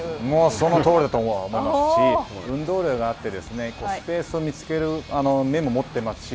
そのとおりだと思いますし、運動量があって、スペースを見つける目も持っていますし。